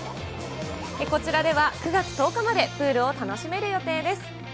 こちらでは９月１０日までプールを楽しめる予定です。